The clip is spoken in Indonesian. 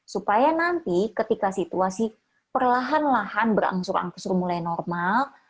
supaya nanti ketika situasi perlahan lahan berangsur angsur mulai normal